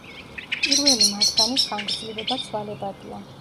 პირველი მათგანის ხანგრძლივობა ცვალებადია.